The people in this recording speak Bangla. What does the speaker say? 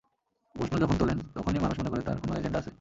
প্রশ্ন যখন তোলেন, তখনই মানুষ মনে করে তাঁর কোনো এজেন্ডা আছে।